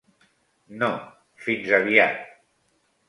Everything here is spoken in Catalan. No, fins aviat.